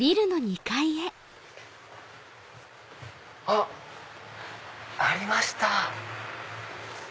あっ！ありました。